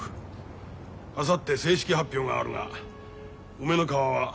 あさって正式発表があるが梅ノ川は十両に上がる。